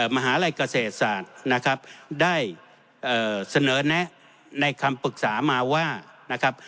มหาลัยเกษตรศาสตร์นะครับได้เสนอแนะในคำปรึกษามาว่านะครับ